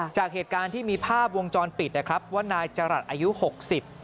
จากเหตุการณ์ที่มีภาพวงจรปิดนะครับว่านายจรัสอายุหกสิบ